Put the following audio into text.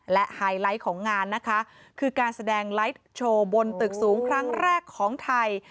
และไฮไลท์ของงานนะคะคือการแสดงไลฟ์โชว์บนตึกสูงครั้งแรกของไทย